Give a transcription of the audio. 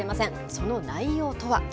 その内容とは。